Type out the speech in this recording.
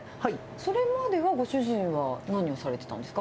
それまではご主人は何をされてたんですか。